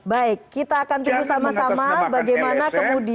baik kita akan tunggu sama sama bagaimana kemudian